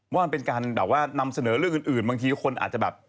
ว่าเป็นการนำเสนอเรื่องอื่นบางทีคนอาจจะแบบ